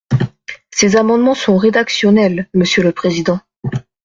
Ces amendements sont rédactionnels, monsieur le président.